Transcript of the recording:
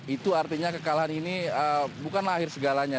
itu artinya kekalahan ini bukanlah akhir segalanya